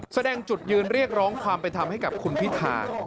แสดงจุดยืนเรียกร้องความเป็นธรรมให้กับคุณพิธา